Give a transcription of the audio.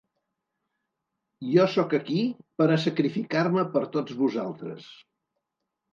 Jo sóc aquí per a sacrificar-me per tots vosaltres.